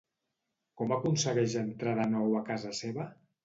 Com aconsegueix entrar de nou a casa seva?